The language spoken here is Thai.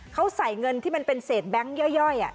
เขาใส่เงินที่มันเป็นเศษแบงค์ย่อย